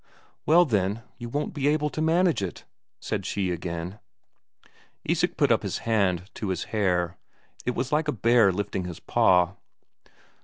"Well, then, you won't be able to manage it," said she again. Isak put up his hand to his hair it was like a bear lifting his paw.